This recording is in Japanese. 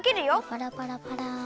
パラパラパラ。